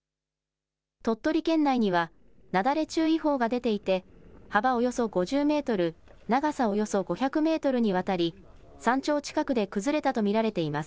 鳥取県内には、雪崩注意報が出ていて、幅およそ５０メートル、長さおよそ５００メートルにわたり、山頂近くで崩れたと見られています。